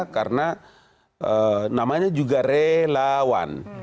karena namanya juga relawan